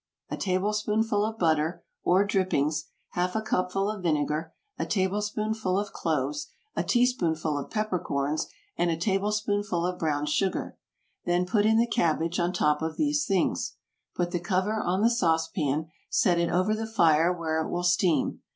A tablespoonful of butter or drippings, half a cupful of vinegar, a tablespoonful of cloves, a teaspoonful of peppercorns and a tablespoonful of brown sugar. Then put in the cabbage on top of these things. Put the cover on the sauce pan, set it over the fire where it will steam.